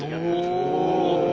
お。